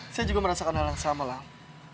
saya juga merasakan hal yang sama lah